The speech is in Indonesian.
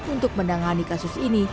untuk menangani kasus ini